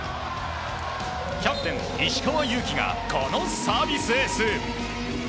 キャプテン、石川祐希がこのサービスエース。